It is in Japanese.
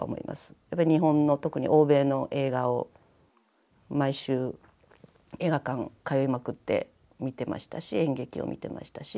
やっぱり日本の特に欧米の映画を毎週映画館通いまくって見てましたし演劇を見てましたし。